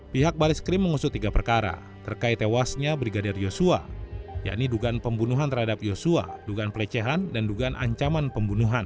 pihak baris krim mengusut tiga perkara terkait tewasnya brigadir yosua yakni dugaan pembunuhan terhadap yosua dugaan pelecehan dan dugaan ancaman pembunuhan